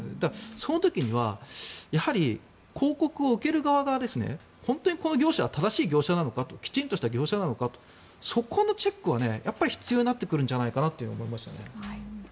その時にはやはり広告を受ける側が本当にこの業者は正しい業者なのかきちんとした業者なのかそこのチェックは必要になってくるんじゃないかと思いました。